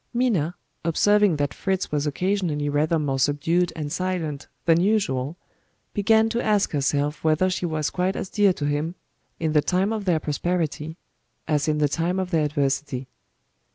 Minna, observing that Fritz was occasionally rather more subdued and silent than usual, began to ask herself whether she was quite as dear to him, in the time of their prosperity, as in the time of their adversity.